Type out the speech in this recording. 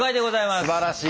すばらしい。